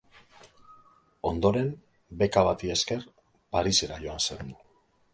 Ondoren, beka bati esker, Parisera joan zen.